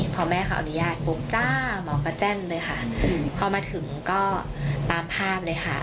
พอแม่เขาอนุญาตปุ๊บจ้าหมอก็แจ้นเลยค่ะพอมาถึงก็ตามภาพเลยค่ะ